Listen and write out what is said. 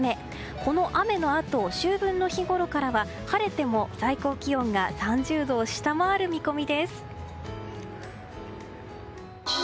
この雨のあと秋分の日ごろからは晴れても最高気温が３０度を下回る見込みです。